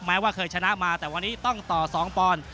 ว่าเคยชนะมาแต่วันนี้ต้องต่อ๒ปอนด์